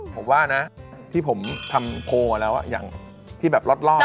ผมว่านะที่ผมทำโพลแล้วอย่างที่แบบรอด